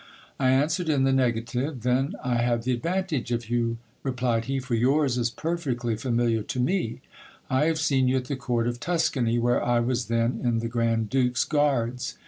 I answered in the negative. Then I have the advantage of you, replied he, for yours is perfectly familiar to me, I have seen you at the court of Tuscany, where I was then in the grand duke's guards.